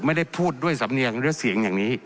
ไม่ได้พูดด้วยสำเนียงหรือเสียงอย่างนี้